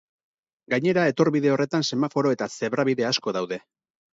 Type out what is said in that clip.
Gainera, etorbide horretan semaforo eta zebra-bide asko daude.